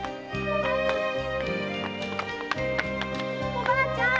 おばあちゃん